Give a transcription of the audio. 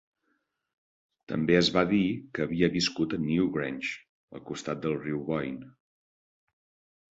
També es va dir que havia viscut a Newgrange, al costat del riu Boyne.